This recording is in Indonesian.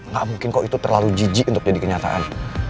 gak mungkin kok itu terlalu jijik untuk jadi kenyataan